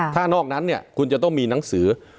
ถ้านอกนั้นคุณจะต้องมีหนังสือ